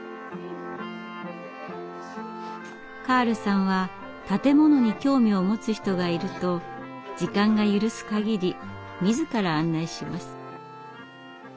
カールさんは建物に興味を持つ人がいると時間が許す限り自ら案内します。